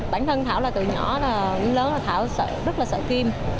bản thân thảo là từ nhỏ lớn là thảo rất là sợ kim